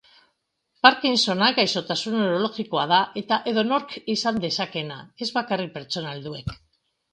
Parkinsona gaixotasun neurologikoa da eta edonork izan dezakeena, ez bakarrik persona helduek.